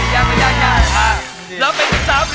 รับเป็น๑๓เหรียญครับ๑ตัวตา